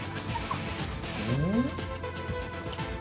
うん？